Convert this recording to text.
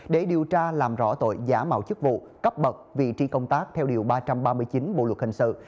để điều tra làm rõ tội giả mạo chức vụ cấp bậc vị trí công tác theo điều ba trăm ba mươi chín bộ luật hình sự